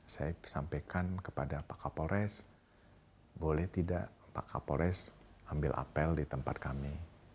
saya sampaikan kepada pak kapolres boleh tidak pak kapolres ambil apel di tempat kami